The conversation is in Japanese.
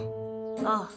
ああ。